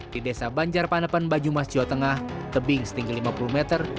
di desa banjarpanepen banyumas jawa tengah tebing setinggi lima puluh meter